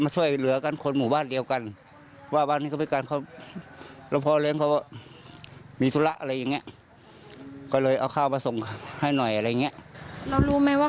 ชุดภาคกับสวยเมื่อไป